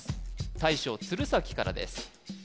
大将鶴崎からです